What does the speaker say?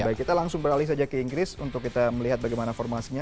baik kita langsung beralih saja ke inggris untuk kita melihat bagaimana formasinya